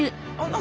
何？